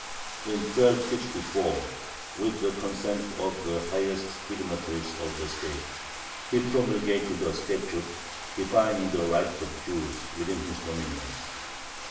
In 1264, with the consent of the highest dignitaries of the state, he promulgated a statute defining the rights of the Jews within his dominions.